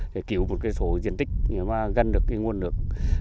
để cứu một số diện tích gần được nguồn lực